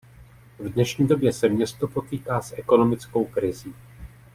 V dnešní době se město potýká s ekonomickou krizí.